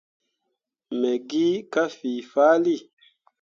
Me gi ka fii faa.